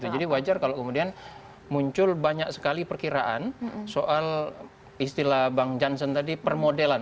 jadi wajar kalau kemudian muncul banyak sekali perkiraan soal istilah bang jansen tadi permodelan